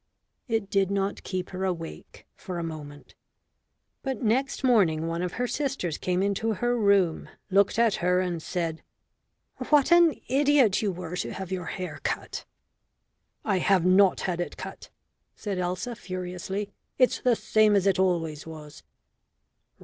It did not keep her awake for a moment. But next morning one of her sisters came into her room, looked at her, and said: "What an idiot you were to have your hair cut!" "I have not had it cut," said Elsa, furiously. "It's the same as it always was."